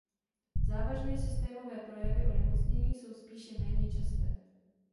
Závažné systémové projevy onemocnění jsou spíše méně časté.